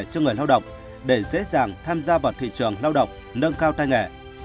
cho người lao động để dễ dàng tham gia vào thị trường lao động nâng cao tay nghề